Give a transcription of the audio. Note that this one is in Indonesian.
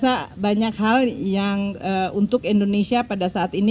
saya rasa banyak hal yang untuk indonesia pada saat ini